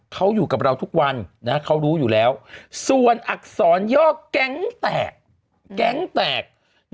เขาอยู่กับเราทุกวันเขารู้อยู่แล้วส่วนอักษรย่อแก๊งแตกแก๊งแตก